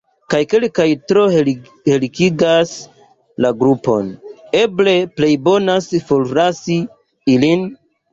Kaj kelkaj tro helikigas la grupon: eble plejbonas forlasi ilin?